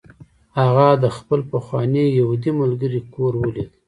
هغه د خپل پخواني یهودي ملګري کور ولید